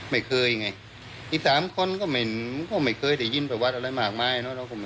ไม่เคยไงอีกสามคนก็ไม่เคยได้ยินประวัติอะไรมากมายเนอะ